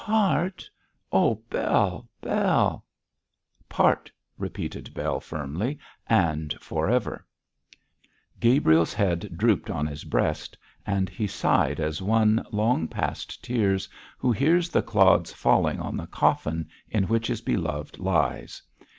'Part? Oh, Bell! Bell!' 'Part,' repeated Bell, firmly, 'and for ever.' Gabriel's head drooped on his breast, and he sighed as one, long past tears, who hears the clods falling on the coffin in which his beloved lies.